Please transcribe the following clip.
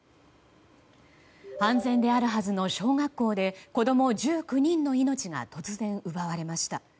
安全であるはずの小学校で子供１９人の命が突然奪われました。